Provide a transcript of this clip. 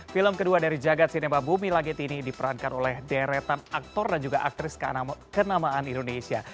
film kedua dari jagad cinema bumi langit ini diperankan oleh deretan aktor dan juga aktris kenamaan indonesia